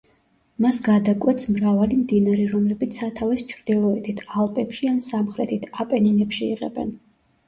მას გადაკვეთს მრავალი მდინარე, რომლებიც სათავეს ჩრდილოეთით, ალპებში ან სამხრეთით, აპენინებში იღებენ.